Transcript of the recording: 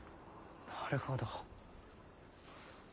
なるほど。